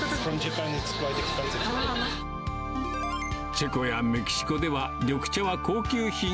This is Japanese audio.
チェコやメキシコでは、緑茶は高級品。